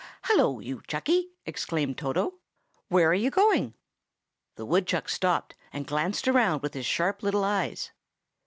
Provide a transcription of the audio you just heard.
"Hallo! you Chucky," exclaimed Toto, "where are you going?" The woodchuck stopped, and glanced around with his sharp little eyes.